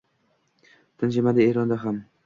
Tinchimadi Eronda ham